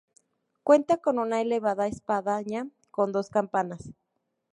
Cuenta con una elevada espadaña con dos campanas.